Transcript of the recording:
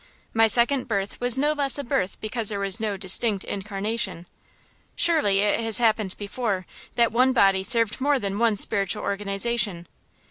My second birth was no less a birth because there was no distinct incarnation. Surely it has happened before that one body served more than one spiritual organization.